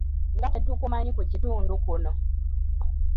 Nga tetukumanyi ku kitundu kuno?